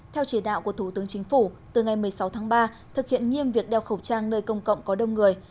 theo chỉ đạo của thủ tướng chính phủ từ ngày một mươi sáu tháng ba thực hiện nghiêm việc đeo khẩu trang nơi công cộng có đông người